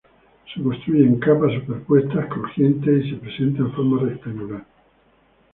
Se construye en capas superpuestas crujientes, y se presenta en forma rectangular.